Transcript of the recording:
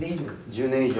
１０年以上。